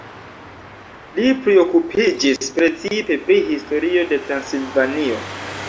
Li priokupiĝis precipe pri historio de Transilvanio.